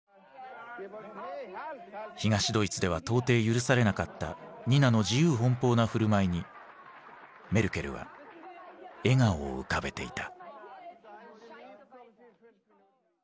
東ドイツでは到底許されなかったニナの自由奔放な振る舞いにメルケルは笑顔を浮かべていた。